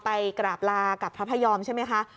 ไปกราบลากับพระพยอมใช่ไหมคะ